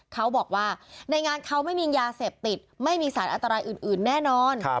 เขาบอกว่าในงานเขาไม่มียาเสพติดไม่มีสารอันตรายอื่นแน่นอน